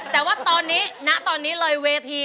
แต่ว่าตอนนี้ณตอนนี้เลยเวที